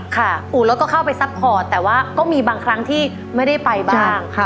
อู่รถก็เข้าไปซัพพอร์ตแต่ว่าก็มีบางครั้งที่ไม่ได้ไปบ้าง